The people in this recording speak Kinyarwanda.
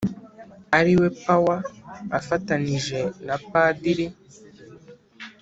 ari we power afatanije na padiri